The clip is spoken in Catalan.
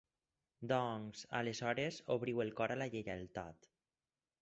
Doncs, aleshores obriu el cor a la lleialtat